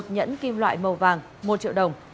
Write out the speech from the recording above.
một nhẫn kim loại màu vàng một triệu đồng